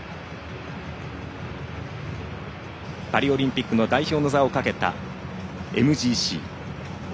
パリオリンピックの代表の座をかけたＭＧＣ。